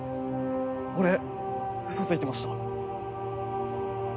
俺嘘ついてました。